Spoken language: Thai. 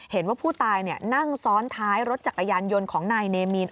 เห็นว่าผู้ตายนั่งซ้อนท้ายรถจักรยานยนต์ของนายเนมีน